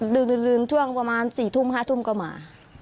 ดึงถึงทุ่งประมาณ๔๐๐๕๐๐ก็มา